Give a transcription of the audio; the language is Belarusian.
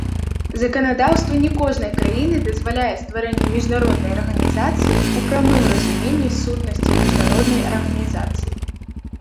Заканадаўства не кожнай краіны дазваляе стварэнне міжнароднай арганізацыі ў прамым разуменні сутнасці міжнароднай арганізацыі.